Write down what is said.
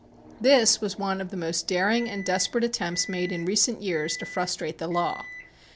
This was one of the most daring and desperate attempts made in recent years to frustrate the law.